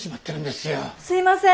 すいません！